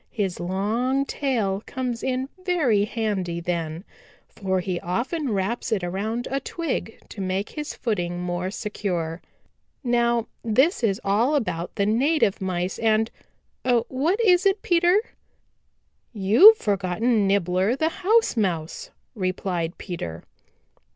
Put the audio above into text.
His long tail comes in very handy then, for he often wraps it around a twig to make his footing more secure. "Now this is all about the native Mice and what is it, Peter?" "You've forgotten Nibbler the House Mouse," replied Peter.